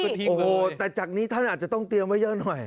โอ้โหแต่จากนี้ท่านอาจจะต้องเตรียมไว้เยอะหน่อย